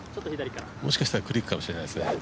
もしかしたらクリークかもしれないですね。